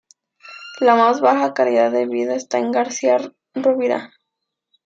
La más baja calidad de vida está en García Rovira.